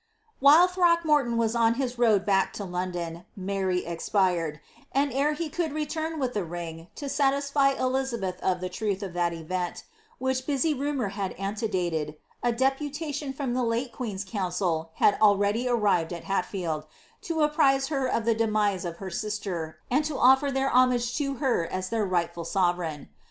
While Throckmorton was on his road back to London, Mary expired, ind ere he could return with the ring to satisfy Elizabeth of the truth uf that event, which busy rumour had ante dated, a deputation from the late queen's council had already arrived at Ilattield,' to apprise her of ihe demise of her sister, and to offer their homage to her as their right lul sovereign.